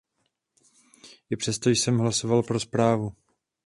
I přesto jsem hlasoval pro zprávu.